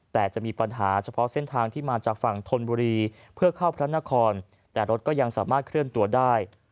แต่จะมีปัญหาเฉพาะเส้นทางที่มาจากฝั่งธนบุรีเพื่อเข้าพระนครแต่รถก็ยังสามารถเคลื่อนตัวได้